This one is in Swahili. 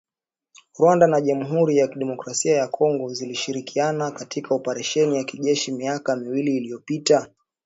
Rwanda na Jamhuri ya kidemokrasia ya Kongo zilishirikiana katika oparesheni ya kijeshi miaka miwili iliyopita.